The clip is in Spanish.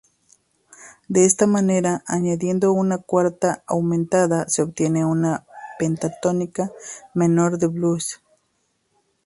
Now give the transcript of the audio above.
De esa manera, añadiendo una cuarta aumentada, se obtiene una pentatónica menor de blues.